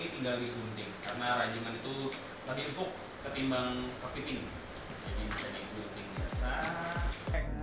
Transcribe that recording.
jadi misalnya gunting biasa